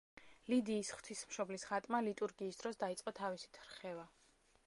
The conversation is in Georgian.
ლიდიის ღვთისმშობლის ხატმა ლიტურგიის დროს დაიწყო თავისით რხევა.